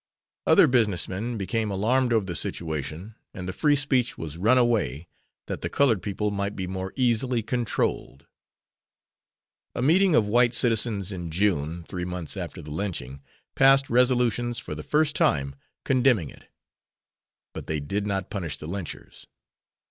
Other business men became alarmed over the situation and the Free Speech was run away that the colored people might be more easily controlled. A meeting of white citizens in June, three months after the lynching, passed resolutions for the first time, condemning it. _But they did not punish the lynchers.